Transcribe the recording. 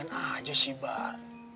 emosian aja sih bar